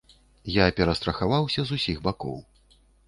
Я перастрахаваўся з усіх бакоў.